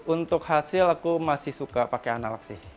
untuk hasil aku masih suka pakai analog sih